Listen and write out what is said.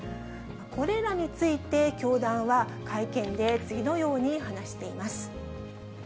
これらについて教団は、会見で次のように話しています。